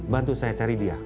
bantu saya cari dia